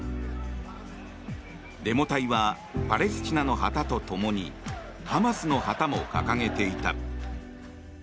デモ隊はパレスチナの旗と共にハマスの旗も掲げていた。